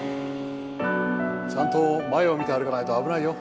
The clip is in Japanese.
ちゃんと前を見て歩かないと危ないよ